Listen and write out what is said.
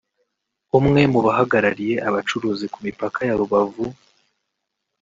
umwe mu bahagarariye abacuruzi ku mipaka ya Rubavu